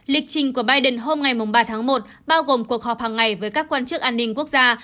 lịch trình của biden hôm ngày ba tháng một bao gồm cuộc họp hàng ngày với các quan chức an ninh quốc gia